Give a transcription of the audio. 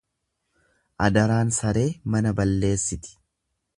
Adaraan saree mana balleessiti.